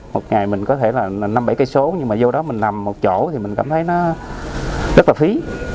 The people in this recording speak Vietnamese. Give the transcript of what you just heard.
một ngày mình có thể là năm bảy cây số nhưng mà vô đó mình nằm một chỗ thì mình cảm thấy nó rất là phí